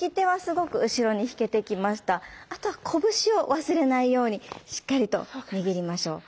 あとは拳を忘れないようにしっかりと握りましょう。